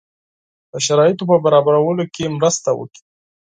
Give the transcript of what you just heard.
د شرایطو په برابرولو کې مرسته وکړي.